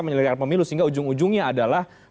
menyelenggarakan pemilu sehingga ujung ujungnya adalah